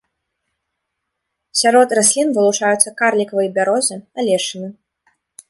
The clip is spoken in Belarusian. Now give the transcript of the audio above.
Сярод раслін вылучаюцца карлікавыя бярозы, алешыны.